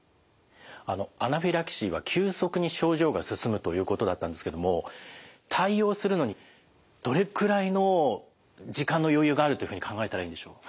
あのアナフィラキシーは急速に症状が進むということだったんですけども対応するのにどれくらいの時間の余裕があるというふうに考えたらいいんでしょう？